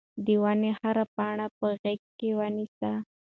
د ونې هره پاڼه په غېږ کې ونیسئ.